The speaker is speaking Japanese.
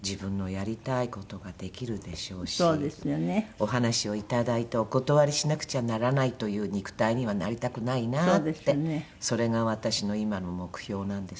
お話をいただいてお断りしなくちゃならないという肉体にはなりたくないなってそれが私の今の目標なんです。